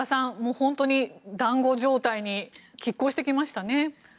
本当に団子状態に拮抗してきましたね。